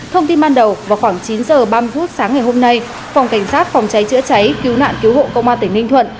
thông tin ban đầu vào khoảng chín h ba mươi phút sáng ngày hôm nay phòng cảnh sát phòng cháy chữa cháy cứu nạn cứu hộ công an tỉnh ninh thuận